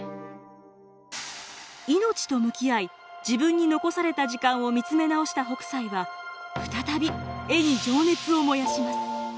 命と向き合い自分に残された時間を見つめ直した北斎は再び絵に情熱を燃やします。